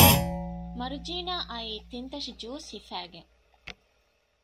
މަރުޖީނާ އައީ ތިން ތަށި ޖޫސް ހިފައިގެން